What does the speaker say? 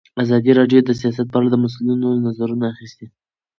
ازادي راډیو د سیاست په اړه د مسؤلینو نظرونه اخیستي.